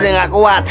aneh udah gak kuat